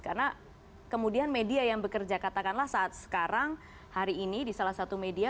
karena kemudian media yang bekerja katakanlah saat sekarang hari ini di salah satu media